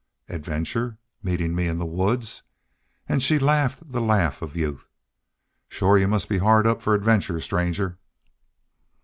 "Adventure! Meetin' me in the woods?" And she laughed the laugh of youth. "Shore you must be hard up for adventure, stranger."